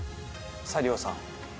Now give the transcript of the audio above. サリオさん。